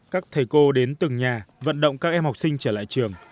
các thầy cô đến từng nhà vận động các em học sinh trở lại trường